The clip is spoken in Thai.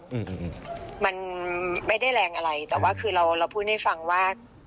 อืมมันไม่ได้แรงอะไรแต่ว่าคือเราเราพูดให้ฟังว่า